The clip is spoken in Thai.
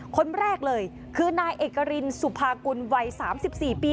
คนแรกเลยคือนายเอกรินสุภากุลวัย๓๔ปี